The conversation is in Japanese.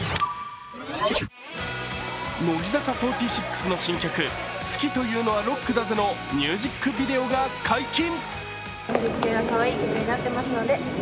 乃木坂４６の新曲、「好きというのはロックだぜ！」のミュージックビデオが解禁。